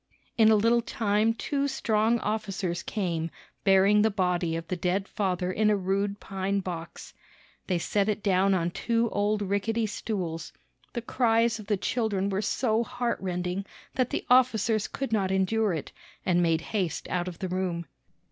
In a little time two strong officers came bearing the body of the dead father in a rude pine box. They set it down on two old rickety stools. The cries of the children were so heartrending that the officers could not endure it, and made haste out of the room.